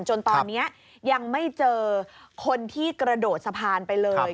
จนตอนนี้ยังไม่เจอคนที่กระโดดสะพานไปเลย